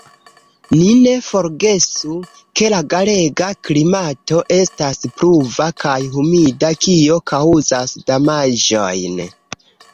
Ni ne forgesu, ke la galega klimato estas pluva kaj humida, kio kaŭzas damaĝojn.